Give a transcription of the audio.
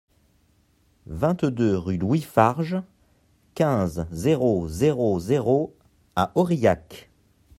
vingt-deux rue Louis Farges, quinze, zéro zéro zéro à Aurillac